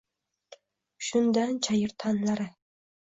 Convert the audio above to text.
Shundan chayir tanlari.